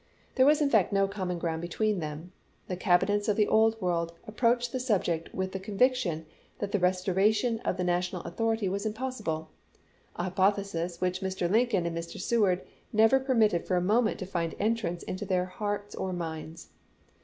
There was in fact no common ground between them. The Cabinets of the Old World approached the subject with the con\dction that the restoration of the na tional authority was impossible — a hj^othesis which Mr. Lincoln and Mr. Seward never per mitted for a moment to find entrance in their hearts or theu' minds.